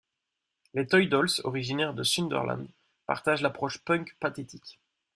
Les Toy Dolls, originaires de Sunderland, partagent l'approche punk pathetique.